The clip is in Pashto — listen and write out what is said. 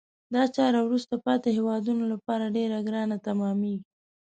دا چاره وروسته پاتې هېوادونه لپاره ډیره ګرانه تمامیږي.